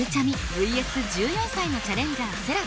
ＶＳ１４歳のチャレンジャーせらぴー。